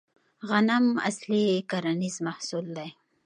غنم اصلي کرنیز محصول دی